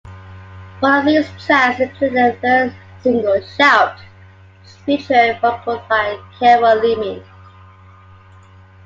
Both of these tracks, including a third single "Shout" featured vocals by Carol Leeming.